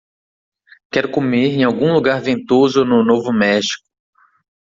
quero comer em algum lugar ventoso no Novo México